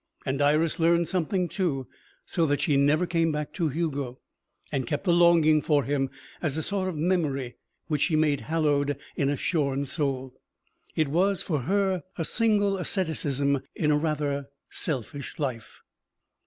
And Iris learned something, too, so that she never came back to Hugo, and kept the longing for him as a sort of memory which she made hallowed in a shorn soul. It was, for her, a single asceticism in a rather selfish life.